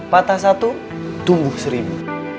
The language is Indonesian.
patah satu tumbuh seribu